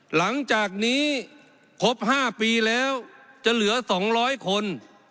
หลังจากนี้ครบห้าปีแล้วจะเหลือสองร้อยคน